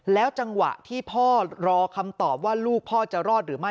จังหวะที่พ่อรอคำตอบว่าลูกพ่อจะรอดหรือไม่